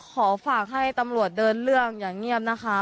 ขอฝากให้ตำรวจเดินเรื่องอย่าเงียบนะคะ